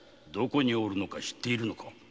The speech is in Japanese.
どこにおるのか知っているのか？